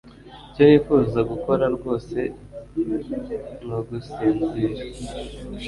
Icyo nifuza gukora rwose ni ugusinzira